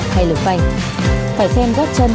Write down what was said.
hay lực phanh phải xem góp chân